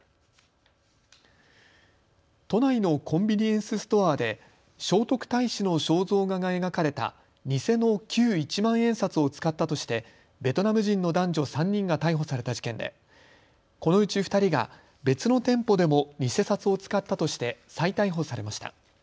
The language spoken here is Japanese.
都内のコンビニエンスストアで聖徳太子の肖像画が描かれた偽の旧一万円札を使ったとしてベトナム人の男女３人が逮捕された事件でこのうち２人が別の店舗でも偽札を使ったとして再逮捕されました。